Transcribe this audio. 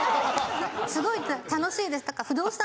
すごい楽しいですだから。